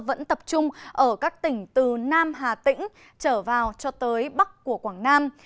vẫn tập trung ở các tỉnh từ nam hà tĩnh trở vào cho tới bắc của quảng nam